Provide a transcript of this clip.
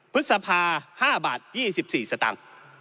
พฤษภา๕บาท๒๔สตางค์